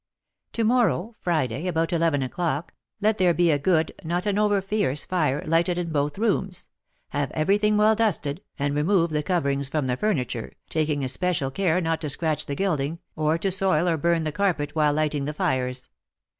"To morrow (Friday), about eleven o'clock, let there be a good (not an overfierce) fire lighted in both rooms; have everything well dusted, and remove the coverings from the furniture, taking especial care not to scratch the gilding, or to soil or burn the carpet while lighting the fires.